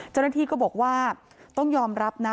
เจ้าหน้าที่ก็บอกว่าต้องยอมรับนะ